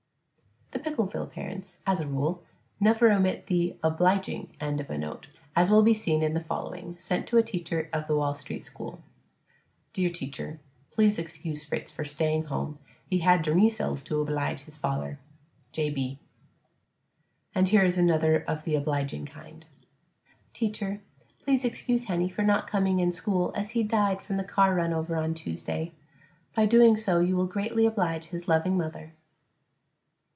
The Pickleville parents as a rule never omit the "obliging" end of a note, as will be seen in the following, sent to a teacher of the Wall Street school: Dear Teacher: Pleas excus Fritz for staying home he had der meesells to oblige his father. J. B. And here is another of the obliging kind: Teacher: Please excuse Henny for not comeing in school as he died from the car run over on Tuesday. By doing so you will greatly oblige his loving mother.